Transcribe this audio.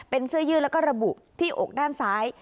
เป็นเสื้อยืดแล้วก็ระบุที่อกด้านซ้าย